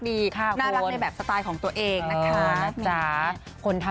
ช่วยทำดีก็คืออยากให้มีเรื่องดีดีกว่า